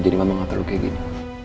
jadi mama gak perlu kayak gini